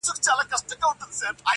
قاضي صاحبه ملامت نه یم، بچي وږي وه.